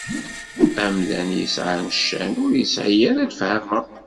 Amdan yesɛan ccan, ur isɛi ara lefhama.